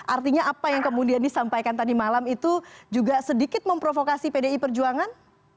artinya apa yang kemudian disampaikan tadi malam itu juga sedikit memprovokasi pdi perjuangan